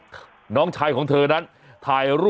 คุณผู้ชมไปดูอีกหนึ่งเรื่องนะคะครับ